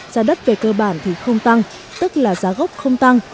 giá đất về cơ bản thì không tăng tức là giá gốc không tăng